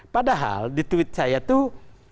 padahal di tweet saya tuh